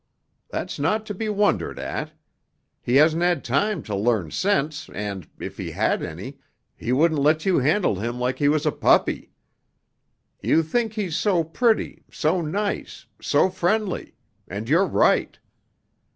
That's not to be wondered at. He hasn't had time to learn sense and, if he had any, he wouldn't let you handle him like he was a puppy. You think he's so pretty, so nice, so friendly, and you're right.